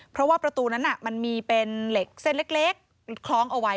เพราะว่าประตูนั้นมันมีเป็นเหล็กเส้นเล็กคล้องเอาไว้